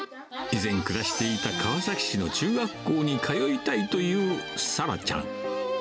以前暮らしていた川崎市の中学校に通いたいという咲羅ちゃん。